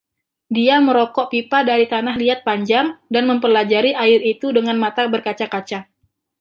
Dia merokok pipa dari tanah liat panjang dan mempelajari air itu dengan mata berkaca-kaca.